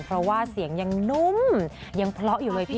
เพราะว่าเสียงยังนุ่มยังเพราะอยู่เลยพี่